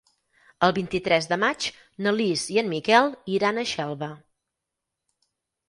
El vint-i-tres de maig na Lis i en Miquel iran a Xelva.